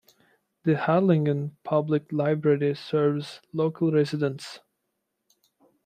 The Harlingen Public Library serves local residents.